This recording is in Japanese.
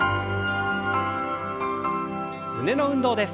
胸の運動です。